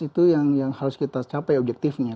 itu yang harus kita capai objektifnya